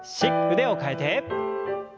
腕を替えて。